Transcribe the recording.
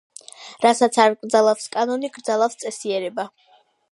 რასაც არ კრძალავს კანონი, კრძალავს წესიერება.